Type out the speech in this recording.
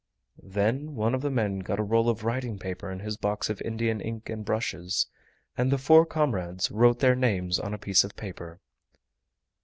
Then one of the men got a roll of writing paper and his box of Indian ink and brushes, and the four comrades wrote their names on a piece of paper.